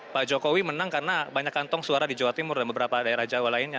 pak jokowi menang karena banyak kantong suara di jawa timur dan beberapa daerah jawa lainnya